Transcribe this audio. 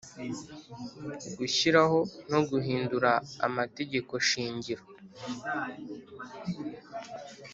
Gushyiraho no guhindura amategeko shingiro